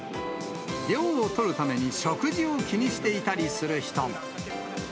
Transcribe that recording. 涼をとるために食事を気にしていたりする人も。